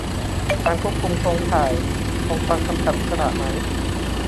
การควบคุมโครงข่าย องค์กรกำกับอิสระไหม